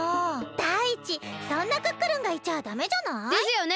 だいいちそんなクックルンがいちゃダメじゃない？ですよね！